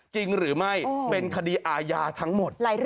จริงหรือไม่เป็นคดีอาญาทั้งหมด